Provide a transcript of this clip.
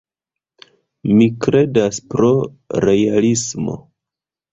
Mi kredas pro realismo.